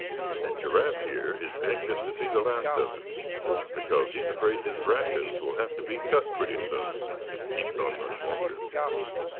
And Giraffe here is anxious to see the last of him, because he's afraid his rations will have to be cut pretty soon if it keeps on much longer."